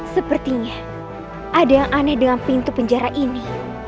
sepertinya ada yang aneh dengan pintu penjara ini